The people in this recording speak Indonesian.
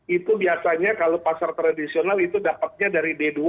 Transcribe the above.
itu biasanya kalau pasar tradisional itu dapatnya dari d dua